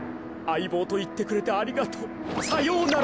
あいぼうといってくれてありがとう。